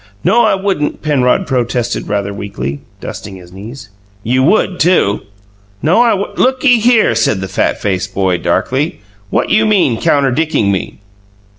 "No, I wouldn't," Penrod protested rather weakly, dusting his knees. "You would, too!" "No, I w "Looky here," said the fat faced boy, darkly, "what you mean, counterdicking me?"